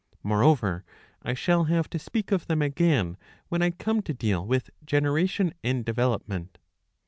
Moreover I shall have to speak of them again when I come to deal with Generation and Development.